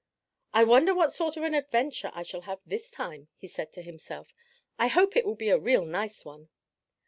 "I wonder what sort of an adventure I shall have this time?" he said to himself. "I hope it will be a real nice one."